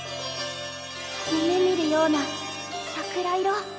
夢みるような桜色。